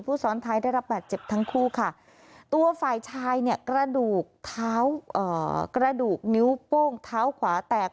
ซ้อนท้ายได้รับบาดเจ็บทั้งคู่ค่ะตัวฝ่ายชายเนี่ยกระดูกเท้ากระดูกนิ้วโป้งเท้าขวาแตก